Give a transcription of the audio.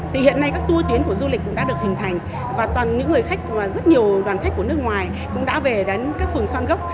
thì hiện nay các tour tuyến của du lịch cũng đã được hình thành và toàn những người khách và rất nhiều đoàn khách của nước ngoài cũng đã về đến các phường xoan gốc